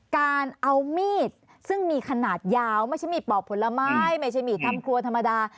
การเอามีดซึ่งมีขนาดยาวไม่ใช่มีดปอกผลไม้ไม่ใช่มีดทำครัวธรรมดา